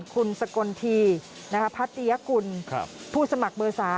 คุณสกลทีพัตยกุลผู้สมัครเบอร์๓